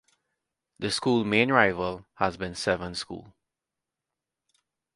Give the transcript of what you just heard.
The school main rival has been Severn School.